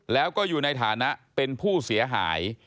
แล้วก็อยู่ในฐานะเป็นผู้เสียหาย